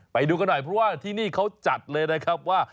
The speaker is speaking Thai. ไปดูกันหน่อยเพราะว่าที่นี่เขาจัดเลยนะครับว่า